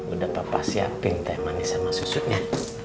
udah papa siapin teh manis sama susunya